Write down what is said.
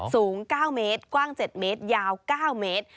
สูง๙เมตรกว้าง๗เมตรยาว๙เมตร